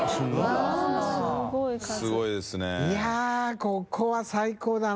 ここは最高だな。